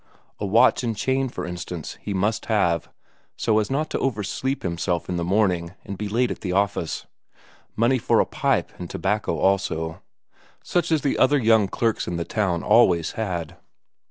A watch and chain, for instance, he must have, so as not to oversleep himself in the morning and be late at the office; money for a pipe and tobacco also, such as the other young clerks in the town always had.